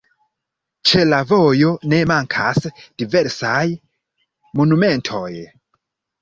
Ĉe la vojo ne mankas diversaj monumentoj.